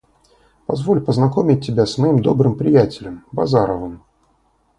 Позволь познакомить тебя с моим добрым приятелем, Базаровым